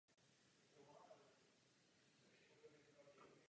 V každém případě, takový je náš názor!